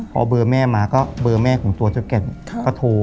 พอเบอร์แม่มาก็เบอร์แม่ของตัวเจ้าแก่นก็โทร